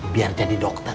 biar jadi dokter